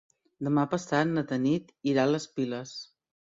Demà passat na Tanit irà a les Piles.